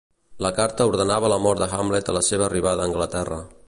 La carta ordenava la mort de Hamlet a la seva arribada a Anglaterra.